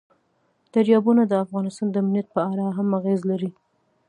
دریابونه د افغانستان د امنیت په اړه هم اغېز لري.